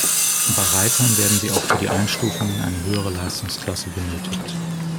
Bei Reitern werden sie auch für die Einstufung in eine höhere Leistungsklasse benötigt.